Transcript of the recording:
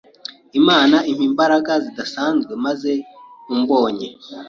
Imana impa imbaraga zidasanzwe maze umbonye